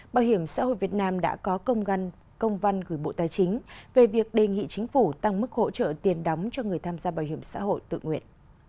bảo hiểm xã hội việt nam đã có công văn gửi bộ tài chính về việc đề nghị chính phủ tăng mức hỗ trợ tiền đóng cho người tham gia bảo hiểm xã hội tự nguyện